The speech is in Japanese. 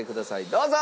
どうぞ！